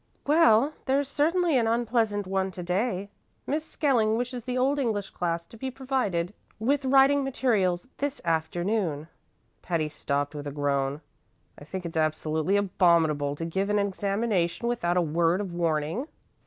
"Well, there's certainly an unpleasant one to day. Miss Skelling wishes the Old English class to be provided with writing materials this afternoon." Patty stopped with a groan. "I think it's absolutely abominable to give an examination without a word of warning."